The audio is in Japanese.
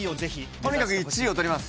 とにかく１位を取ります。